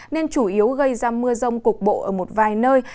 nên chủ yếu gây ra mưa rông cục bộ ở một vài nơi